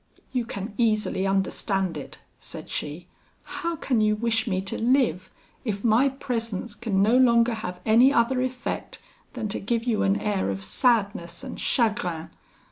'You can easily understand it,' said she; 'how can you wish me to live, if my presence can no longer have any other effect than to give you an air of sadness and chagrin?